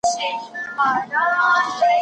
له دې دورې وروسته نوي بدلونونه رامنځته سول.